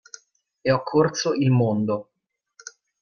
E ho corso il mondo.